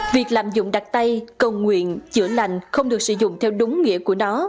việc làm dụng đặt tay cầu nguyện chữa lành không được sử dụng theo đúng nghĩa của nó